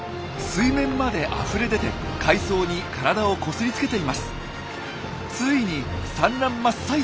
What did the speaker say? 水面まであふれ出て海藻に体をこすりつけています。